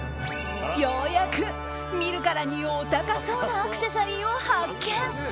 ようやく見るからにお高そうなアクセサリーを発見。